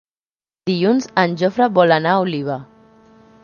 Dilluns en Jofre vol anar a Oliva.